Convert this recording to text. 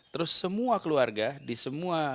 terus semua keluarga di semua